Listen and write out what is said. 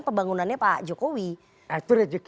pembangunannya pak jokowi itu rejeki